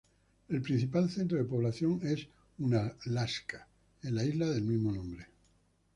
El principal centro de población es Unalaska, en la isla del mismo nombre.